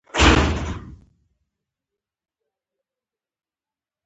که یو لور زور کړي ستونزه لویېږي.